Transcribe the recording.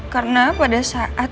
karena pada saat